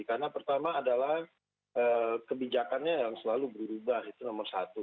karena pertama adalah kebijakannya yang selalu berubah itu nomor satu